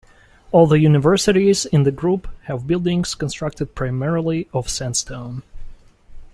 All the universities in the group have buildings constructed primarily of sandstone.